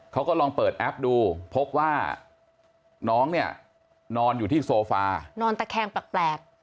เขาก็ลองเปิดแอปดูพบว่าน้องเนี่ยนอนอยู่ที่โซฟานอนตะแคงแปลก